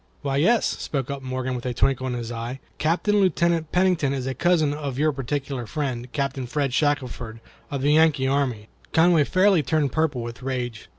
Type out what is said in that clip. "Why, yes," spoke up Morgan, with a twinkle in his eye, "Captain, Lieutenant Pennington is a cousin of your particular friend, Captain Fred Shackelford, of the Yankee army." Conway fairly turned purple with rage.